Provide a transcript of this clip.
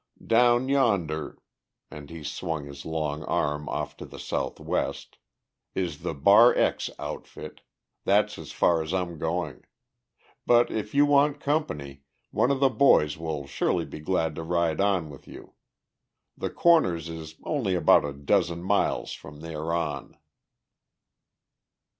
Down yonder," and he swung his long arm off to the south west, "is the Bar X outfit; that's as far as I'm going. But, if you want company, one of the boys will sure be glad to ride on with you. The Corners is only about a dozen mile from there on."